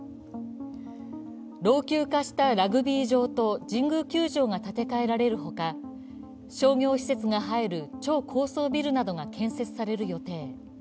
老朽化したラグビー場と神宮球場が建て替えられるほか商業施設が入る超高層ビルなどが建設される予定。